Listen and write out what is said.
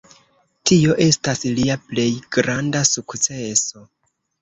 Tio estas lia plej granda sukceso.